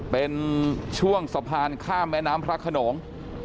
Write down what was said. เป็นช่วงสะพานข้ามแม่น้ำพระขนง